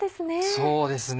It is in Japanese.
そうですね。